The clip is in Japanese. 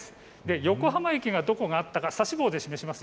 横浜駅がにどこにあったか指し棒で示します。